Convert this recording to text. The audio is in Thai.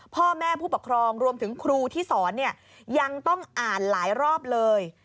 พ่อแม่ผู้ปกครองรวมถึงครูที่สอนเนี่ยยังต้องอ่านหลายรอบเลย